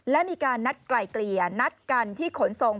และมีการนัดไกลเกลี่ยนัดกันที่ขนส่ง